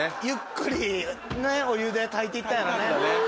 ゆっくりお湯で炊いていったんやろうね。